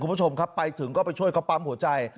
คุณผู้ชมครับไปถึงก็ไปช่วยเขาปั๊มหัวใจ